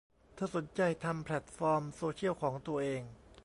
เธอสนใจทำแพลตฟอร์มโซเชียลของตัวเอง